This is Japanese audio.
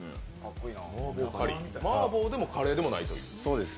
麻婆でもカレーでもないという？